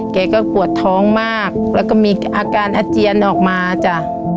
แกก็ปวดท้องมากแล้วก็มีอาการอาเจียนออกมาจ้ะ